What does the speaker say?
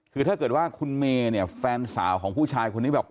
คือถ้าเกิดว่าคุณเมย์เนี่ยแฟนสาวของผู้ชายคนนี้แบบ